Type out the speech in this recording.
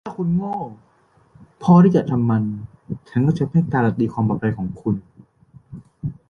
ถ้าคุณโง่พอที่จะทำมัน ฉันก็จะไม่การันตีความปลอดภัยของคุณ